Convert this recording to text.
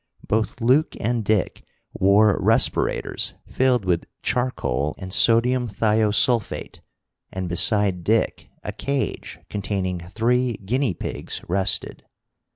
Both Luke and Dick wore respirators filled with charcoal and sodium thio sulphate, and beside Dick a cage containing three guinea pigs rested.